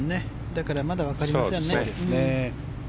だからまだ分かりませんね。